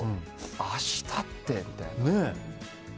明日ってみたいな。